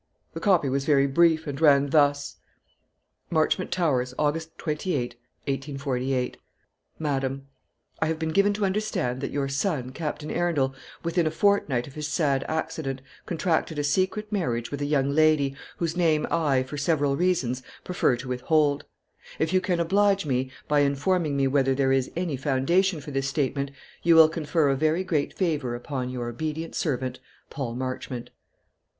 The copy was very brief, and ran thus: "Marchmont Towers, August 28, 1848. "MADAM, I have been given to understand that your son, Captain Arundel, within a fortnight of his sad accident, contracted a secret marriage with a young lady, whose name I, for several reasons, prefer to withhold. If you can oblige me by informing me whether there is any foundation for this statement, you will confer a very great favour upon "Your obedient servant, "PAUL MARCHMONT."